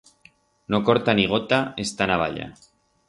No corta ni gota esta navalla.